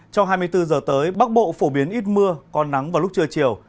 trong hai mươi bốn giờ tới bắc bộ phổ biến ít mưa có nắng vào lúc trưa chiều